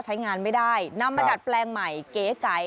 ใช้งานไม่ได้นำมาดัดแปลงใหม่เก๋ใจ